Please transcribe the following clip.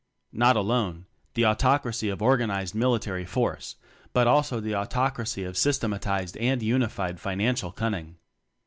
Not alone the Autocracy of organized military force but also the Autocracy of system atized and unified financial Cunning.